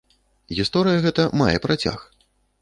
Гісторыя гэта мае працяг.